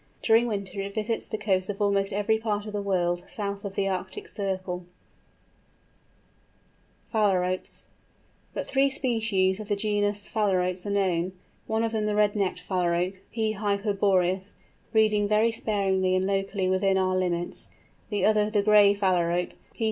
During winter it visits the coasts of almost every part of the world, south of the Arctic circle. PHALAROPES. But three species of the genus Phalaropus are known, and two of these are British birds, one of them the Red necked Phalarope, P. hyperboreus, breeding very sparingly and locally within our limits, the other the Gray Phalarope, _P.